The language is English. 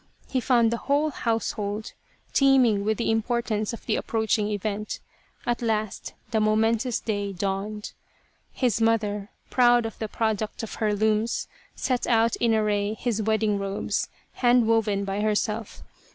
He found the whole house hold teeming with the importance of the approaching event. At last the momentous day dawned. His mother, proud of the product of her looms, set out in array his wedding robes, handwoven by herself.